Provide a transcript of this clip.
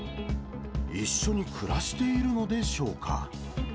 一緒に暮らしているのでしょうか。